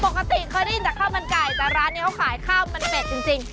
ปกติเคยได้ยินจากข้าวมันไก่แต่ร้านนี้เขาขายข้าวมันเป็ดจริง